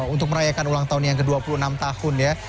untuk merayakan ulang tahun yang ke dua puluh enam tahun ya